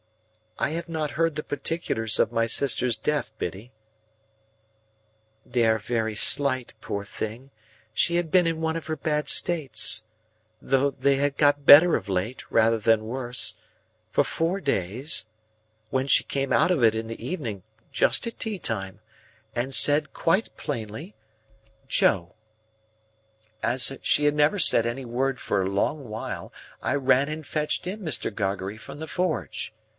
"I have not heard the particulars of my sister's death, Biddy." "They are very slight, poor thing. She had been in one of her bad states—though they had got better of late, rather than worse—for four days, when she came out of it in the evening, just at tea time, and said quite plainly, 'Joe.' As she had never said any word for a long while, I ran and fetched in Mr. Gargery from the forge.